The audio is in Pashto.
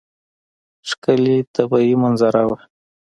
ښکلې طبیعي منظره وه.